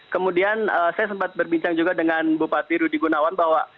kemudian saya sempat berbincang juga dengan bupati rudi gunawan bahwa